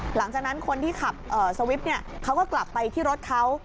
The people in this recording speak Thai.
หลังจากนั้นคนที่ขับสวิปเขาก็กลับไปที่รถเขา